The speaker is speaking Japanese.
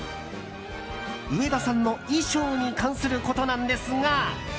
上田さんの衣装に関することなんですが。